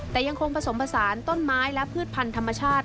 แต่ยังคงผสมผสานต้นไม้และพืชพันธ์ธรรมชาติ